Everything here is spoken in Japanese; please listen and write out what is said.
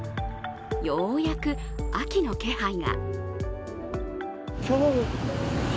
ようやく秋の気配が。